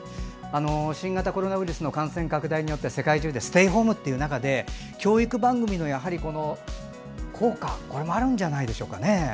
新型コロナウイルスの感染拡大によって世界中でステイホームという中で教育番組の効果もあるんじゃないでしょうか。